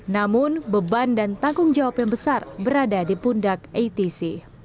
namun beban dan tanggung jawab yang besar berada di pundak atc